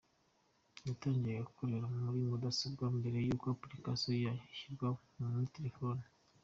Yatangiye ikorera muri mudasobwa, mbere yuko application yayo ishyirwa no muri telefoni.